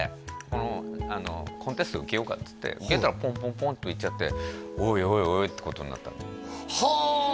「このコンテスト受けようか」っつって受けたらポンポンポンと行っちゃっておいおいおいってことになったのはあ！